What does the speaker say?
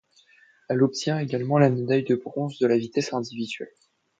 Elle obtient également la médaille de bronze de la vitesse individuelle.